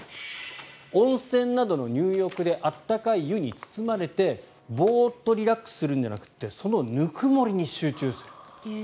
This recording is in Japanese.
温泉などの入浴で温かい湯に包まれてボーッとリラックスするんじゃなくてそのぬくもりに集中する。